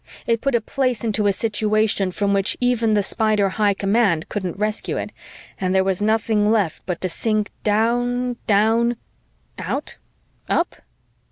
It put a place into a situation from which even the Spider high command couldn't rescue it, and there was nothing left but to sink down, down (out? up?)